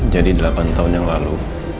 jadi delapan tahun yang lalu